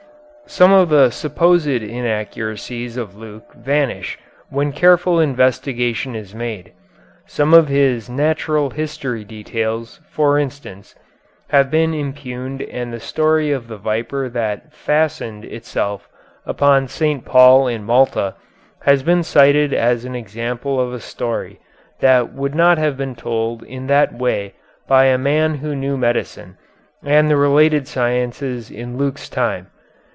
Some of the supposed inaccuracies of Luke vanish when careful investigation is made. Some of his natural history details, for instance, have been impugned and the story of the viper that "fastened" itself upon St. Paul in Malta has been cited as an example of a story that would not have been told in that way by a man who knew medicine and the related sciences in Luke's time.